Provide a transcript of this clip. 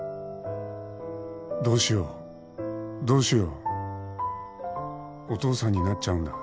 「どうしようどうしよう」「お父さんになっちゃうんだ。